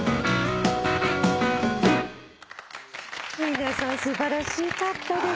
皆さん素晴らしかったです。